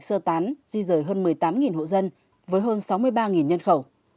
lên kế hoạch sơ tán di rời hơn một mươi tám hộ dân với hơn sáu mươi ba nhân khẩu